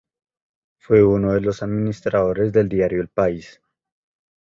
Fue uno de los administradores del diario El País.